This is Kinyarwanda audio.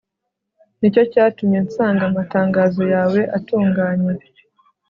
ni cyo cyatumye nsanga amatangazo yawe atunganye